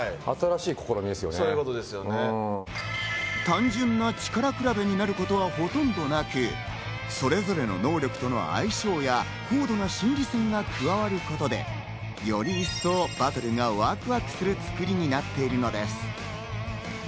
単純な力比べになることはほとんどなく、それぞれの能力との相性や高度な心理戦が加わることで、より一層、バトルがワクワクする作りになっているのです。